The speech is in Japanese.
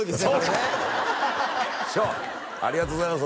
そうか師匠ありがとうございます